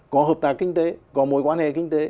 có hợp tác kinh tế có mối quan hệ kinh tế